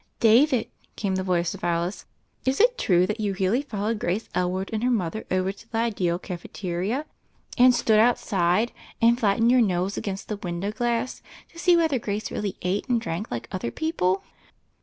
"David," came the voice of Alice, "is it true that you really followed Grace Elwood and her mother over to the Ideal Cafetiere, and stood 1 66 THE FAIRY OF THE SNOWS outsidei and flattened your nose against the window glass to see whether Grace really ate and drank like other people?"